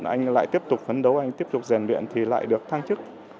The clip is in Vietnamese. anh lại tiếp tục phấn đấu anh tiếp tục giàn viện thì lại được thăng chức